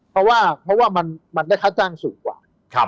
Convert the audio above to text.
เพราะว่ามันได้ค่าจ้างสูงกว่า